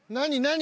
何？